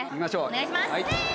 お願いします。